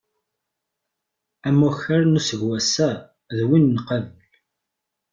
Amakar n useggwass-a, d win n qabel.